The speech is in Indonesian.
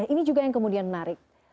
ini juga yang kemudian menarik